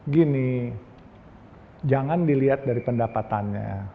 gini jangan dilihat dari pendapatannya